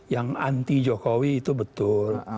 yang anti jokowi itu betul